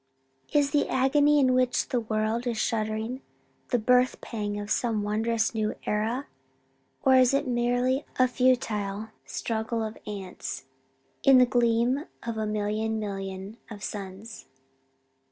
Is the agony in which the world is shuddering the birth pang of some wondrous new era? Or is it merely a futile struggle of ants In the gleam of a million million of suns?